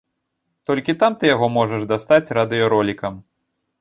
Толькі там ты яго можаш дастаць радыёролікам.